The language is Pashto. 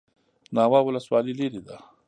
ناوه ولسوالۍ لیرې ده؟